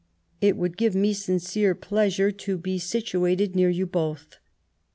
It would give me sincere pleasure to be situated near you both.